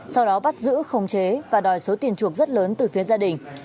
sau đó bắt giữ khống chế và đòi số tiền chuộc rất lớn từ phía gia đình